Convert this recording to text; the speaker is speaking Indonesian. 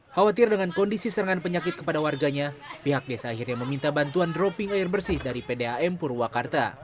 khawatir dengan kondisi serangan penyakit kepada warganya pihak desa akhirnya meminta bantuan dropping air bersih dari pdam purwakarta